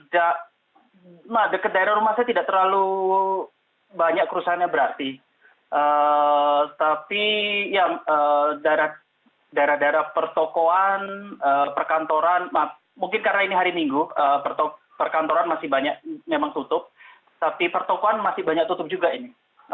jadi yokohama sendiri tidak dekat daerah rumah saya tidak terlalu banyak kerusakannya berarti tapi daerah daerah pertokohan perkantoran mungkin karena ini hari minggu perkantoran masih banyak memang tutup tapi pertokohan masih banyak tutup juga ini